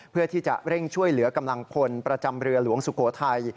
เพื่อที่จะเร่งช่วยเหลือกำลังพลประจำเรือหลวงสุโขทัย